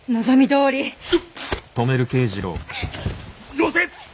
よせ！